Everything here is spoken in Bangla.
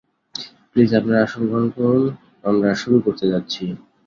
প্লিজ আপনারা আসন গ্রহণ করুন আমরা শুরু করতে যাচ্ছি।